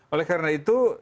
oleh karena itu